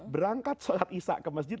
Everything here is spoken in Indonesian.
berangkat sholat isya ke masjid